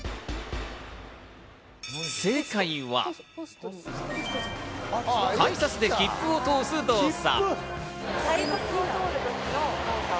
正解は、改札で切符を通す動作。